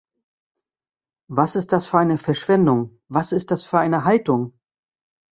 Was ist das für eine Verschwendung, was ist das für eine Haltung?